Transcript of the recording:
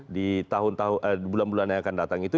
di bulan bulan yang akan datang itu